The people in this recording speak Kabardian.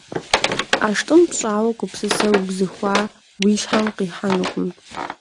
ӀэштӀым пщӀауэ гупсысэ убзыхуа уи щхьэм къихьэнукъым.